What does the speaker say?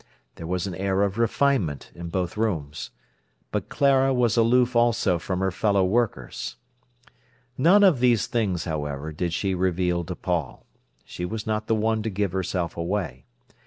There was an air of refinement in both rooms. But Clara was aloof also from her fellow workers. None of these things, however, did she reveal to Paul. She was not the one to give herself away.